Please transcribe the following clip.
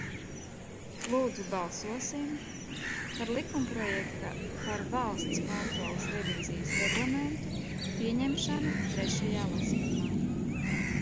"Lūdzu, balsosim par likumprojekta "Par Valsts kontroles revīzijas reglamentu" pieņemšanu trešajā lasījumā!"